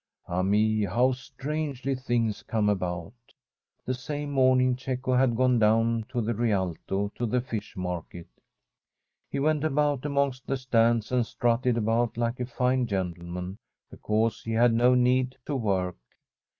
Ah me I how strangely things come about! The same morning Cecco had gone down to the Rialto to the fish market. He went about amongst the stands and strutted about like a fine gentleman because he had no need to work.